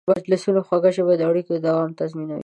د مجلسونو خوږه ژبه د اړیکو دوام تضمینوي.